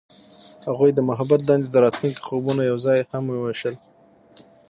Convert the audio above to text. هغوی د محبت لاندې د راتلونکي خوبونه یوځای هم وویشل.